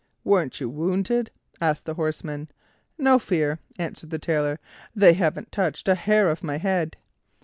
"Weren't you wounded?" asked the horsemen. "No fear," answered the Tailor; "they haven't touched a hair of my head."